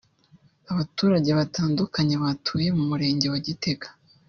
Abaturage batandukanye batuye mu Murenge wa Gitega